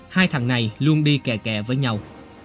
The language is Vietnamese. hai thằng này luôn đi kè kè với nhau